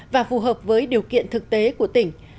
và phù hợp với điều kiện thực tế của tỉnh